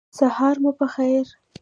سهار مو پخیر